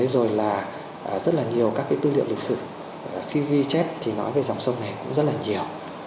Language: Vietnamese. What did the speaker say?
rồi là rất là nhiều các cái tư liệu lịch sử khi ghi chép thì nói về dòng sông này cũng rất là nhiều